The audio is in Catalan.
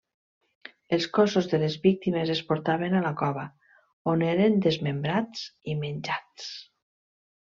Els cossos de les víctimes es portaven a la cova, on eren desmembrats i menjats.